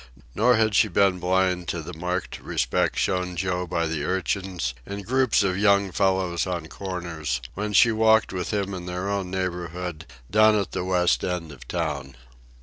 Nor had she been blind to the marked respect shown Joe by the urchins and groups of young fellows on corners, when she walked with him in their own neighborhood down at the west end of the town.